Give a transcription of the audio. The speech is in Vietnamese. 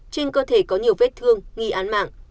trên cơ thể có nhiều vết thương nghi án mạng